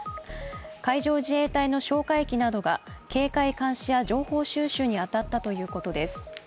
海上自衛隊哨戒機などが警戒監視や情報収集に当たったということです。